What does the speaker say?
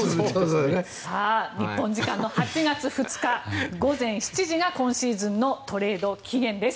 日本時間の８月２日午前７時が今シーズンのトレード期限です。